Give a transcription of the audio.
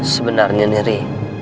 sebenarnya nih ri